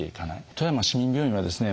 富山市民病院はですね